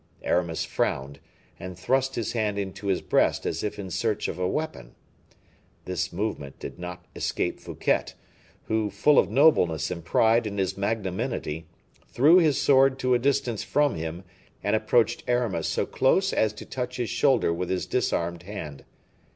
Aramis frowned, and thrust his hand into his breast as if in search of a weapon. This movement did not escape Fouquet, who, full of nobleness and pride in his magnanimity, threw his sword to a distance from him, and approached Aramis so close as to touch his shoulder with his disarmed hand.